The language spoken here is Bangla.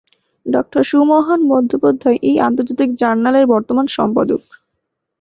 ডাক্তারসুমহান বন্দ্যোপাধ্যায় এই আন্তর্জাতিক জার্নালের বর্তমান সম্পাদক।